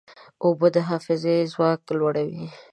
اوبه د حافظې ځواک لوړوي.